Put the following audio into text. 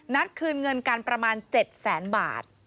นัดคืนเงินกันประมาณ๗แสนบาท